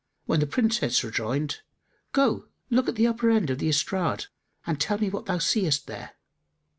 when the Princess rejoined, "Go, look at the upper end of the estrade, and tell me what thou seest there."